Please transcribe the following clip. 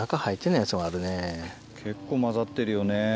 結構交ざってるよね。